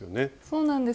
そうなんです。